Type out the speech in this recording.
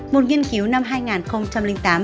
một nghiên cứu năm hai nghìn tám